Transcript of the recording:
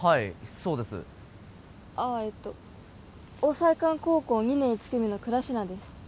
そうですあっえっと桜彩館高校２年１組の倉科です